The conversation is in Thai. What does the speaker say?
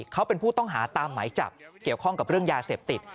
เขาเป็นผู้ต้องหาตามหมายจับเกี่ยวข้องกับเรื่องยาเสพติด